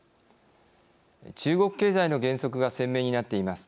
中国経済の減速が鮮明になっています。